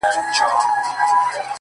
گوره په ما باندي ده څومره خپه”